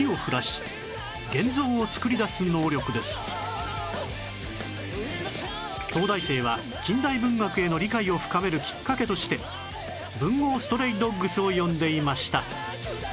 周囲に東大生は近大文学への理解を深めるきっかけとして『文豪ストレイドッグス』を読んでいました